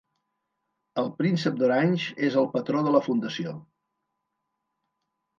El Príncep d'Orange és el Patró de la Fundació.